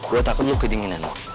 gue takut lo kedinginan